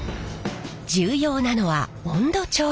重要なのは温度調整。